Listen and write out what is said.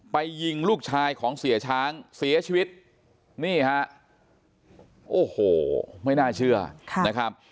ยิงลูกชายของเสียช้างเสียชีวิตนี่ฮะโอ้โหไม่น่าเชื่อนะครับ